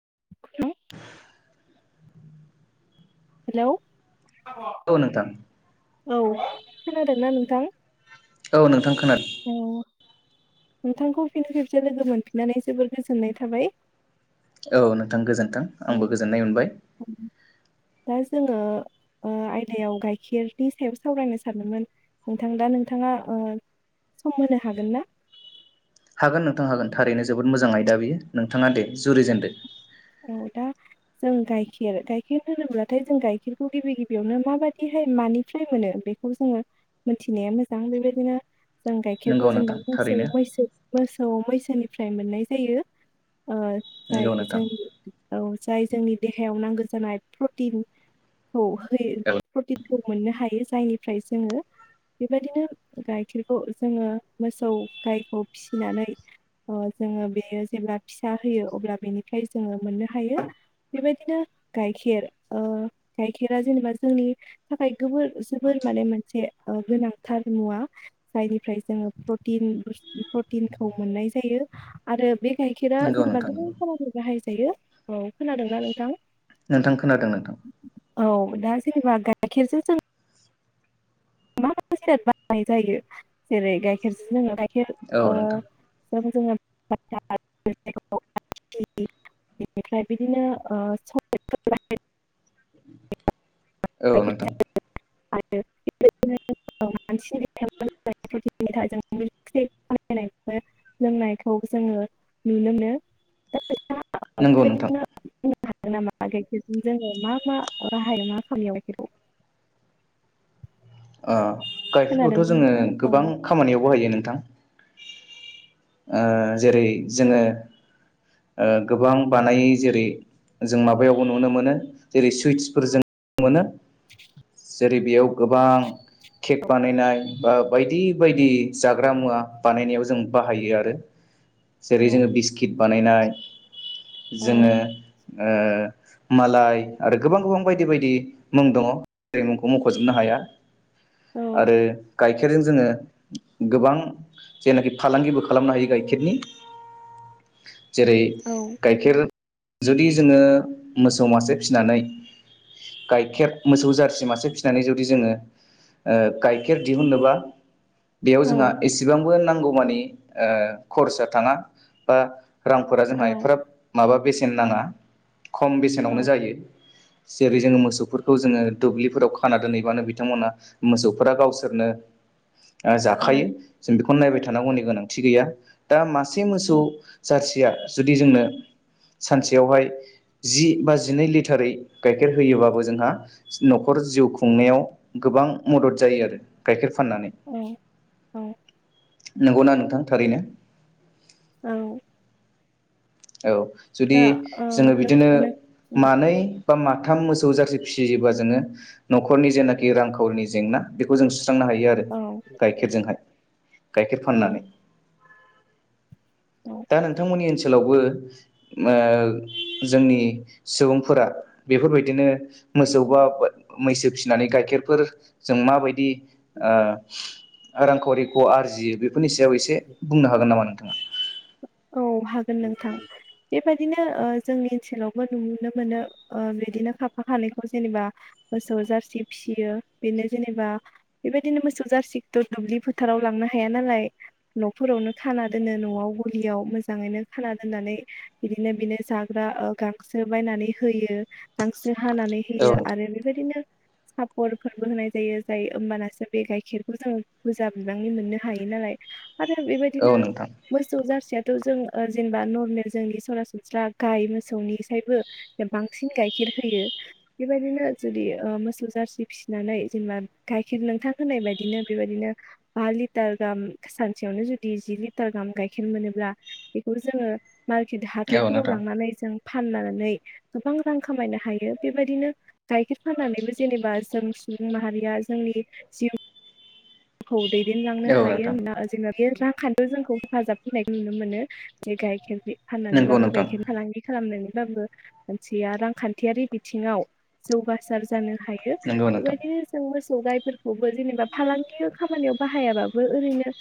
[unintelligible] [inaudible] Hello औ नोंथां औ खोनादोंना नोंथां? औ नोंथां खोनादों। औ नोंथांखौ फिन खेबसे लोगो मोनफिननानै जोबोर गोजोननाय थाबाय। औ नोंथां गोजोन्थों आंबो गोजोननाय मोनबाय। दा जोङो ओ आयदायाव गाइखेरनि सायाव सावरायनो सानदोंमोन नोंथां दा नोंथाङा ओ सम होनो हागोन ना? हागोन नोंथां हागोन थारैनो जोबोद मोजां आयदा बियो नोंथाङा दे जुरिजेनदो। औ दा जों गाइखेर गाइखेर होनोब्लाथाय जों गाइखेरखौ गिबि गिबियावनो माबादिहाय मानिफ्राय मोनो बेखौ जोङो मोनथिनाया मोजां बेबायदिनो जों गाइखेरखौ नोंगौ जेनबा नोंथां मोसौ थारैनो मोसौ मैसोनिफ्राय मोननाय जायो। ओ नोंगौ जायो नोंथां जोंनि औ जाय जोंनि देहायाव नांगौ जानाय प्रटिन खौ होयो औ प्रतिन खौ मोननो हायो। जायनिफ्राय जोङो बेबायदिनो गाइखेरखौ जोङो मोसौ गायखौ फिसिनानै ओ जोङो बेयो जेब्ला फिसा होयो अब्ला बेनिफ्राय जोङो मोननो हायो। बेबायदिनो गाइखेर ओ गाइखेरा जेनेबा जोंनि थाखाय गोबोर जोबोर माने मोनसे ओ गोनांथार मुवा जायनिफ्राय जोङो प्रटिन [unintelligible] प्रटिनखौ मोननाय जायो। आरो बे गाइखेरा नोंगौ जेनेबा नोंथां गोबां नंगौ खामानियाव बाहाय जायो औ खोनादोंना नोंथां नोंथां खोनादों नोंथां औ दा जेनेबा गाइखेरजों जों मा मा जिरात बानायनाय जायो जेरै गाइखेरजों जोङो खेर औ ओ नोंथां जों जोङो [unintelligible] आइसिख्रिम बेनिफ्राय बिदिनो ओ सक्लेटफोर बानाय [unintelligible] औ नोंथां आरो बिदि [unintelligible] [unintelligible] लोंनायखौ जोङो नुनो मोनो नोंथाङा नंगौ नोंथां बेबायदिनो बुंनो हागोन नामा गाइखेरजों जोङो मा मा राहाया मा खामानियाव बेखौ अ गाइखेरखौथ' खोनादोंना जोङो नोंथां औ गोबां खामानियाव बाहायो नोंथां ओ जेरै जोङो ओ गोबां बानायै जेरै जों माबायावबो नुनो मोनो जेरै सुइट्सफोर जों मोनो जेरै बेयाव गोबां केक बानायनाय बा बायदि बायदि जाग्रा मुवा बानायनायाव जों बाहायो आरो जेरै औ जोङो बिस्किट बानायनाय औ जोङो ओ मालाय आरो गोबां गोबां बायदि बायदि मुं दङ जेरै मुंखौ मख'जोबनो हाया आरो गाइखेरजों जोङो गोबां जेनाखि फालांगिबो खालामनो हायो गाइखेरनि जेरै औ गाइखेर जुदि जोङो मोसौ मासे फिसिनानै गाइखेर मोसौ जारसि मासे फिसिनानै जुदि जोङो ओ गाइखेर दिहुनोबा बेयाव औ जोंहा एसेबांबो नांगौ खौ मानि खरसा थाङा बा रांफोरा औ जोंहा एफ्राब माबा बेसेन नाङा खम बेसेनावनो औ जायो जेरै जोङो मोसौफोरखौ जोङो दुब्लिफोराव खाना दोनहैबानो बिथांमोना मोसौफोरा गावसोरनो जाखायो जों बेखौनो नायबाय थायो नागौनि गोनांथि गोया दा मास सासे मोसौ जारसिया जुदि जोंनो सानसेयावहाय जि बा जिनै लिटारै गाइखेर होयोबाबबो जोंहा न'खर जिउ खुंनायाव गोबां मदद जायो आरो गाइखेर फाननानै औ औ नंगौना नोंथां थारैनो औ औ जुदि दा ओ जोङो बिदिनो नोंथां मानै बा मा माथाम मोसौ जारसि फिसियोबा जोङो नखरनि जेनाखि रांखावरिनि जेंना बेखौ जों सुस्रांनो हायो आरो औ गाइखेरजोंहाय गायखेर औ फाननानानै औ दा नोंथांमोननि ओनसोल सोलावबो ओ जोंनि सुबुंफोरा बेफोरबायदिनो मोसौ बा मैसो फिसिनानै गाय गाइखेरफोर जों माबायदि ओ रांखावरिखौ आरजियो बे बेफोरनि सायाव एसे बुंनो हागोन नामा नोंथाङा? औ हागोन नोंथां बेबायदिनो ओ जोंनि ओनसोलावबो नुनो मोनो ओ बिदिनो खाफा खानायखौ जेनेबा मोसौ जारसि फिसियो बेनो जेनेबा बेबायदिनो मोसौ जारसिखौथ' दुब्लि फोथाराव लांनो हाया नालाय न'फोरावनो खाना दोनो न'आव गलियाव मोजाङैनो खाना दोननानै बिदिनो बिनो जाग्रा ओ गांसो बायनानै होयो गांसो हानानै औ होयो आरो बेबायदिनो सापरफोरबो होनाय जायो जाय होमबानासो बे गाइखेरखौ जोङ बुरजा बिबांनि मोननो हायो नालाय आरो औ बेबायदिनो नोंथां गाखेराथ जों ओ जेनेबा नरमेल जोंनि सरासनस्रा गाय मोसौनिसायबो बांसिन गाइखेर होयो बेबायदिनो जुदि ओ मोसौ जारसि फिसिनानै जेनेबा गाइखेर नोंथां होनाय बायदिनो बेबायदिनो बा लिटार गाहाम सानसेयावनो जुदि जि लिटार गाहाम गाय खेर मोनोब्ला बेखौ जोङो मार्केट औ हाथायफोराव नोंथां लांनानै जों फाननानै गोबां रां खामायनो हायो बेबायदिनो गाइखेर फाननानैबो जेनेबा जों सुबुं माहारिया जोंनि जिउ औ दैदेनलांनो औ नोंथां हायोना ओ जेनेबा बेयो रांखाखान्थियाव जोंखौ हेफाजाब होनायखो नुनो मोनो जे गायखेर नंगौ फाननानैबाबो नोंथां गाइखेर फालांगि खालामनानै बाबो मानसिनया रांखान्थियारि बिथिङाव जौगासार जानो हायो। नंगौ नोंथां बेबायदिनो जों मोस सौ गाइफोरखौबो जेनेबा फालां गियो खामानियाव बाहायाबाबो ओरैनो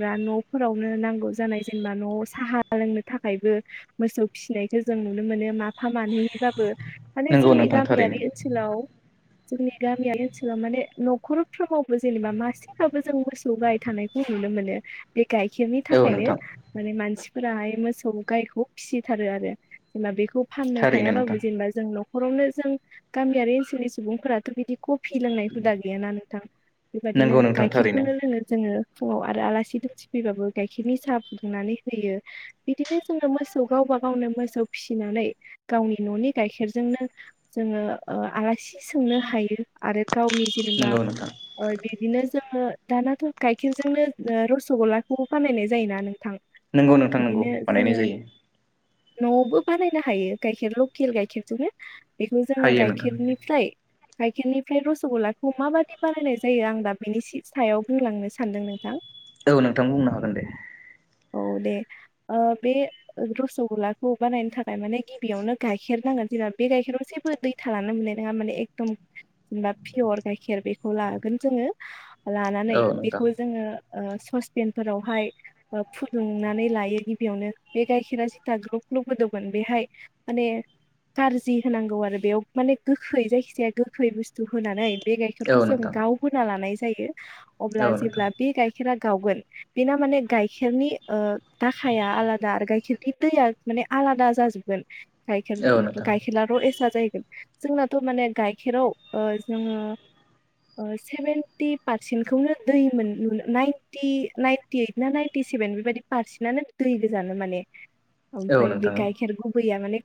बा न'फोरावनो नांगौ जानाय जेनेबा न'आव साहा लोंनो थाखायबो मोसौ फिसिनायखो जों नुनो मोनो माफा मानैहै बाबो माने नंगौ जोंनि नोंथां थारैनो गामियारि ओनसोलाव जोंनि गामियारि ओनसोलाव माने न'खरफ्रोमावबो जेनेबा मास से बाबो जों मोसौ गाय थानायखौ नुनो मोनो बे गाइखेरनि औ थाखायनो नोंथां माने मानसि फोराहाय मोसौ गायखौ फिसिथारो आरो जेनबा बेख खौ फाननो थारैनो हायाबाबो नोंथां जेनेबा जों न' खरावनो जों गामियारि ओनसोलनि सुबुंफोराथ' बिदि कफि लोंनाय हुदा गैयाना नोंथां नंगौ बेबायदिनो नोंथां थारैनो खिरखौनो लोंङो जोंङो ङो फुंङाव आरो आलासि दुमसि फैबाबो गाइखेरनि साहा फुदुंनानै होयो बिदिनो जोङो मोसौ गावबा गावनो मोसौ फिसिनानै गावनि न'नि गाइखेरजोंनो जोङो ओ आसि सोंनो हायो आरो गावनि जेनेबा नंगौ नोंथां ओ बिदिनो जोङो दानाथ' गाइखेरजोंनो ओ रस'गलाखौ बानायनाय जायोना नों नोंगौ नोंथां नोंगौ बानायनाय जायो न'आवबो बानायनो हायो गाइखेर लकेल गाइखेरजोंनो बेखौ जोङो हायो नोंथां गाइखेरनिफ्राय गाइखेरनिफ्राय रस'गल्लाखौ माबादि बानायनाय जायो आं दाब बिनि सि-सायाव बुंलांनो सानदों नोंथां औ नोंथां बुंनो हागोन दे औ दे अ बे रस'गल्लाखौ बानायनो थाखाय माने गिबियावनो गाइखेर नांगोन जेनेबा बे गाइखेराव जेबो दै थालानो मोननाय नङा माने एकदम जेनेबा पियर गाइखेर बेखौ लागोन जोङो लानानै औ नोंथां बेखौ जोङो ओ ससपेनफोरावहाय ओ फुदुंनानै लायो गिबियावनो बे गाइखेरा जिथा ग्लब ग्लब गोदौगोन बेहाय माने कारजि होनांगौ आरो बेयाव माने गोखै जायखिजाया गोखै बुस्थु होनानै बे औ गाइखेरखौ जों नोंथां गाव लानाय जायो औ अब्ला नोंथां जेब्ला बे गाइखेरा गावगोन बेना माने गाइखेरनि ओ दाखाया आलादा आरो गाइखेरनि दैया माने आलादा जाजोबगोन गायखेर औ नोंथां गायखेराथ एस थां जाहैगोन जोंनाथ' माने गाइखेराव ओ जोङो ओ सेभेनटि पारसेन्टखौनो दै मोन मोन नाइनटि नाइनटि ओइट ना नाइनटि सेभेन बेबायादि पारसेन्टानो दै गोजानो माने औ ओमफ्राय बे नोंथां गाइखेर गुबैया माने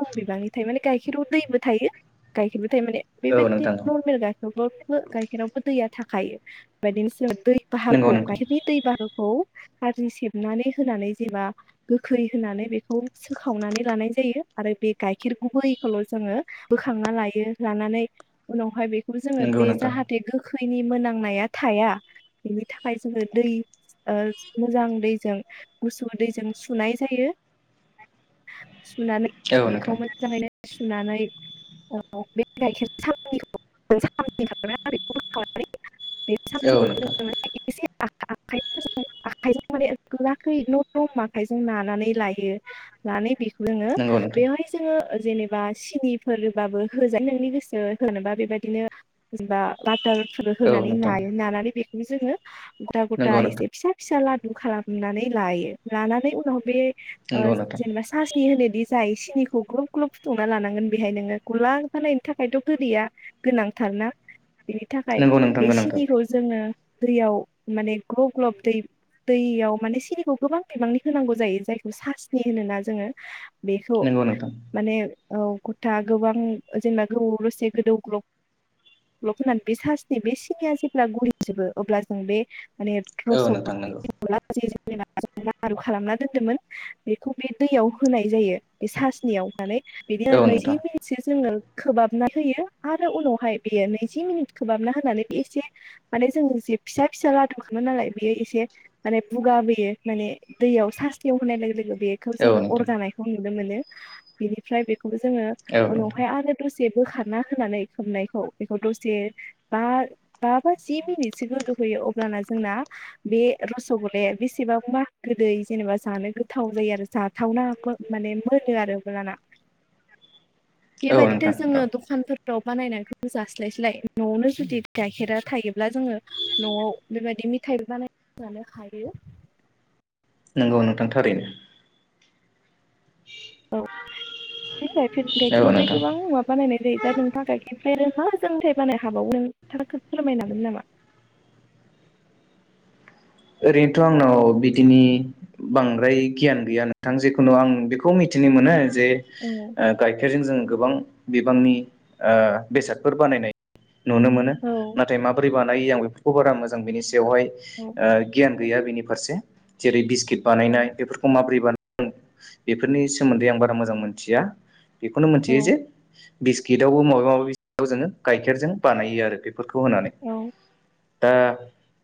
खम बिबांनि थायो माने गाइखेराव दैबो थायो गाइखेरबो थायो नाथाय माने औ नोंथां बेबायदिनो नर्मेल [inaudible] गाइखेरावबो दैया [inaudible] थाखायो बेदिनो [inaudible] दै नंगौ बाहागोखौ नोंथां गाइखेरनि दै बाहागो खौ खारजि सेबनानै होनानै जेब्ला गोखै होनानै बेखौ सोखावनानै लानाय जायो आरो बे गाइखेर गुबैखौल' जोङो बोखांना लायो, लानानै उनावहाय बे खौ जोङो नंगौ बे नोंथां जाहाथे गोख- खैनि मोनामनाया थाया, बिनि थाखाय जों दै ओ मोजां दैजों गुसु दैजों सुनाय जायो। सुनानै औ बेखौ नोंथां मोजाङैनो सुनानै औ बे गाइखेर [unintelligible] बे औ नोंथां सावनिखौ [unintelligible] [unintelligible] आखाइजों नानानै लायो लानानै बे लोंङो नंगौ नोंथां जोङो जेनेबा सिनिफोरबाबो होजायो नोंनि गोसो होनोबा बेबदिनो जेनबा बाटार औ होनानै नोंथां नायो नानानै बे खौ जोङो गथा गथा नंगौ नोंथां एसे फिसा फिसा लादु खालामनानै लायो लानानै उनाव बे ओ नंगौ जेनेबा सासनि होनो दि जाय सिनिखौ ग्लब ग्लब फुदुंना लानांगोन बेहाय नोङो गला जानायनि थाखायथ' गोदैया गोनांथारना बिनि थाखाय नोंथां बे सिनिखौ जोङो दैयाव माने ग्लब ग्लब दै दैयाव माने सिनिखौ गोबां बिबांनि होनांगौ जायो जायखौ सासनि होनोना जोङो बेखौ नंगौ नोंथां गोनांथार नंगौ नोंथां माने औ गथा गोबां जेनेबा गोबौ दसे गोदौ ग्लब ग्लब होननानै बे सासनि बे सिनिया जेब्ला गलिजोबो अब्ला जों बे माने औ रस नोंथां नंगौ [unintelligible] लारु खालामना दोन्दोंमोन बेखौ बे दैयाव होनाय जायो बे सासनियाव होनानै बिदि औ [unintelligible] नोंथां मिथियो जोङो खोबहाबना होयो आरो उनावहाय बेयो नैजि मिनिट खोबहाबना होनानै बे एसे माने जोंङो जे फिसा फिसा लादु खालामो नालाय बेयो एसे माने बुगाबोयो माने दैयाव नियाव होनाय लोगो लोगो बेखौ औ जोङो नोंथां अरगानाय नुनो मोनो बेनिफ्राय बे खौ जोङो औ नोंथां उनावहाय आरो दसे दसे बोखारना होनानै खोबनायखौ बेखौ दसे बा बा बा जि मिनिटसो गोदौहोयो अब्लाना जोंना बे रस'गल्लाया बेसेबांबा गोदै जेनेबा जानो गोथाव जायो आरो जाथावना माने मोनो आरो अब्लाना औ बेबायदिथ नोंथां जोङो औ दखानफोर फोराव बानायनायखौ जास्लायस्लाय न'आवनो जुदि गाइखेरा थायोब्ला जोङो न'आव बेबायदि मेथायाइबो बानाय जानो हायो नोंगौ नोंथां थारैनो औ फिन गाइखेर औ गाइखेरनिफ्राय नोंथां गोबां मुवा बानायनाय जायो दा नोंथां गाइखेर फ्रा रों मा जोंथाय बानायनो हाबावो नोंथाङा फोरमायनो हाबावगोन नामा? ओरैनोथ' आंनाव बिदिनि बांद्राय गियान गैया नोंथां जेखुनु आं बेखौ मिथिनो मोनो जे औ ओ गाइखेरजों जों गोबां बिबांनि ओ बेसादफोर बानायनाय नुनो मोनो औ नाथाय माबोरै बानायो आं बेफोरखौ बारा मोजां बेनि सायावहाय ओ औ गियान गैया बेनि फारसे जेरै बिस किट औ बानायनाय बेफोरखौ मोरै बान ओं बेफोरनि सोमोन्दै आं बारा मोजां मोनथिया बेखौनो औ मोनथियो जे बिस्किटावबो मबेबा माबि जोङो गाइखेरजों बानायो आरो बे बेफोरखौ होनानै औ दा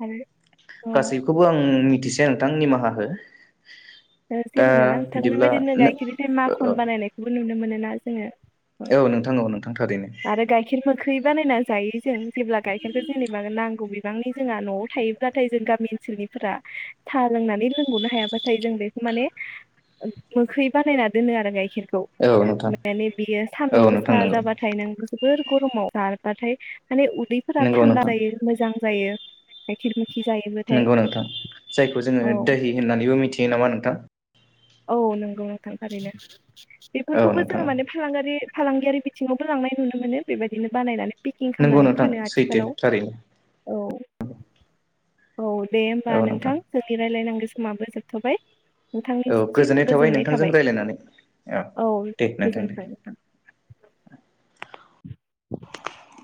आरो औ गासैखौबो आं मिथिसे नोंथां निमाहा हो दा जेबो नङा नोंथां बिदिब्ला बेबायदिनो गाइखेरखो माखन बानायनायखौबो नुनो मोनो ना जोङो औ नोंथां औ नोंथां थारैनो आरो गाइखेर मोखै बानायना जायो जों जेब्ला गाइखेरखौ जेनेबा नांगौ बिबांनि जोंहा न'आव थायोब्लाथाय जों गामि ओनसोलनिफोरा सा लोंनानै लोंग'नो हायाब्लाथाय जों बेखौ माने मोखै बानायना दोनो आरो गाइखेर खौ औ नोंथां माने बियो औ सान्दुं नोंथां गोसा नंगौ जाबा थाय नांगौ जोबोर गरमाव जाबारबाथाय माने उदैफोरा नंगौ थान्दा नोंथां जायो मोजां जायो गायखेर नंगौ नोंथां जायखौ जोङो औ दोहि होननानैबो मिथियो नामा नोंथां औ नंगौ नोंथां थारैनो औ बेफोरखौबो नोंथां जोङो औ माने फालांगारि फालांगियारि बिथिङावबो लांनाय नुनो मोनो बेबायदिनो बानायनानै पेकिं नंगौ खालामनानै नोंथां फानो सैथो आथिखालाव थारैनो औ औ दे होमबा नोंथां जोथि रायलायनांगोसि माबो जोबथ'बाय औ नोंथांनिसि गोजोननाय थाबाय नोंथांजों रायज्लायनानै औ दे नोंथां दे [inaudible]